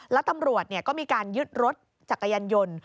แล้วตำรวจก็มีการยึดรถจักรยานยนต์